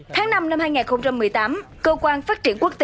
tháng năm năm hai nghìn một mươi tám cơ quan phát triển quốc tế